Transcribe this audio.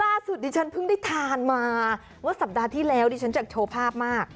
ล่าสุดดิฉันเพิ่งได้ทานมาว่าสัปดาห์ที่แล้วดิฉันจะโชว์ภาพมาก